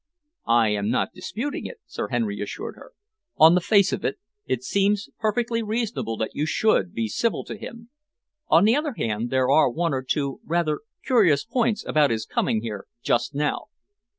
"I am not disputing it," Sir Henry assured her. "On the face of it, it seems perfectly reasonable that you should be civil to him. On the other hand, there are one or two rather curious points about his coming here just now."